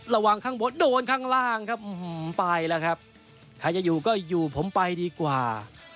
ระวังข้างบนโดนข้างล่างครับไปแล้วครับใครจะอยู่ก็อยู่ผมไปดีกว่า